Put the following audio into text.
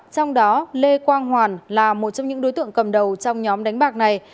trong đó lê quang hoàn là một trong những đối tượng cầm đầu trong nhóm đánh bạc này